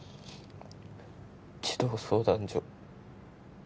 児童相談所